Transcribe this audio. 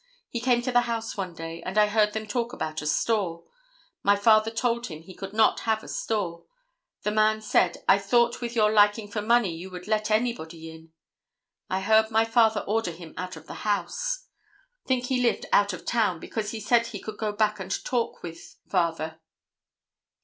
He came to the house one day, and I heard them talk about a store. My father told him he could not have a store. The man said: 'I thought with your liking for money you would let anybody in.' I heard my father order him out of the house. Think he lived out of town, because he said he could go back and talk with father."